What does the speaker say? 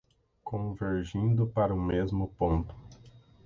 Convergindo para um mesmo ponto